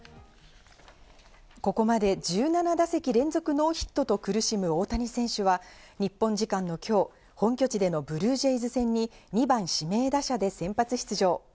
ここまで１７打席連続ノーヒットと苦しむ大谷選手は日本時間の今日、本拠地でのブルージェイズ戦に２番・指名打者で先発出場。